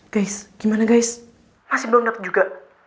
guys gimana guys masih belum dateng juga